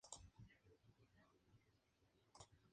Normalmente permanecen invisibles, paradas en puntos concretos.